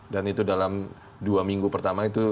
dan itu dalam dua minggu pertama